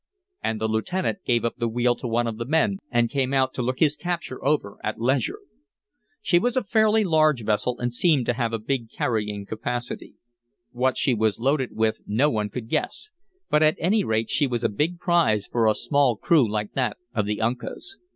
And the lieutenant gave up the wheel to one of the men and came out to look his capture over at leisure. She was a fairly large vessel and seemed to have a big carrying capacity. What she was loaded with no one could guess, but at any rate she was a big prize for a small crew like that of the Uncas.